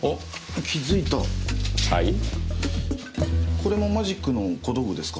これもマジックの小道具ですか？